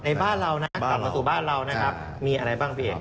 บ้านเรานะกลับมาสู่บ้านเรานะครับมีอะไรบ้างพี่เอก